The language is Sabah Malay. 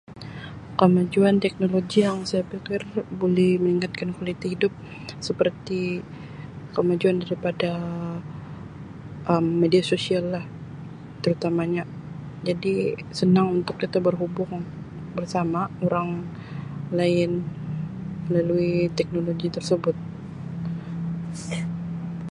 Kemajuan teknologi yang saya pikir buleh meningkatkan kualiti hidup seperti kemajuan daripada Um media sosial lah terutamanya jadi senang untuk kita berhubung bersama orang lain melalui teknologi tersebut.